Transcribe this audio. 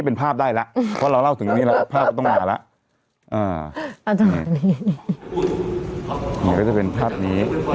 มารับบางคนไปจ้างน่ะนะหลับความหกจ้าวท่านมีไว้จ้าง